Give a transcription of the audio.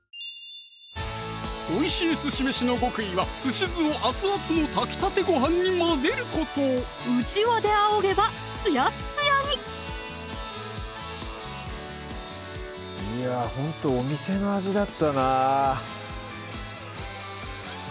おいしいすし飯の極意はすし酢を熱々の炊きたてご飯に混ぜることうちわであおげばツヤッツヤにいやほんとお店の味だったなまぁでも